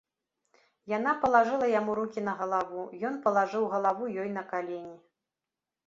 Яна палажыла яму рукі на галаву, ён палажыў галаву ёй на калені.